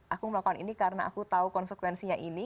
aku melakukan ini karena aku tahu konsekuensinya ini